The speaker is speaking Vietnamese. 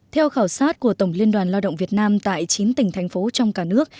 theo khảo sát của tổng liên đoàn lao động việt nam tại chín tỉnh thành phố trong cả nước